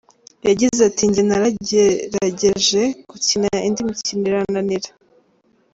Yagize ati "Njye nari naragerageje gukina indi mikino irananira.